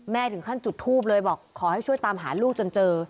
ถึงขั้นจุดทูบเลยบอกขอให้ช่วยตามหาลูกจนเจอ